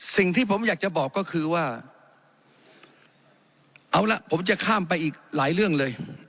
สิ่งที่ผมอยากจะบอกก็คือว่าเอาละผมจะข้ามไปอีกหลายเรื่องเลย